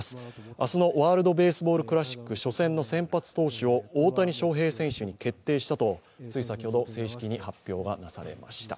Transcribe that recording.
明日のワールドベースボールクラシック、初戦の先発投手を大谷翔平選手に決定したと、つい先ほど、正式に発表がなされました。